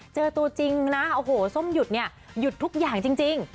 เจอตัวจริงนะส้มหยุดหยุดทุกอย่างจริง